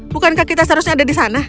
bukankah kita seharusnya ada di sana